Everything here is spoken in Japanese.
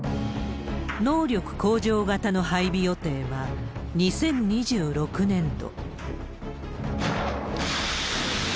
能力向上型の配備予定は、２０２６年度。